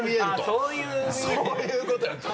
そういうことよ！